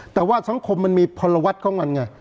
แต่ว่าสังคมมันมีพลวัตรของมันไง